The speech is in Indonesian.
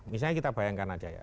misalnya kita bayangkan aja ya